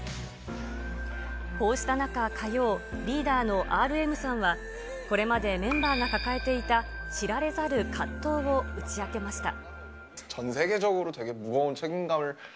こうした中、火曜、リーダーのＲＭさんは、これまでメンバーが抱えていた知られざる葛藤を打ち明けました。